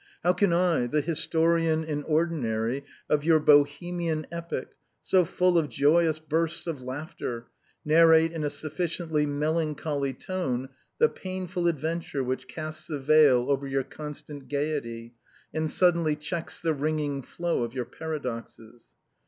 How can I, the historian in or dinary of your Bohemian epic, so full of joyous bursts of laughter, narrate in a sufficiently melancholy tone the pain ful adventure which easts a veil over your constant gaiety, and suddenly checks the ringing flow of 5'our paradoxes?